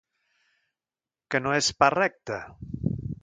Que no és pas recte.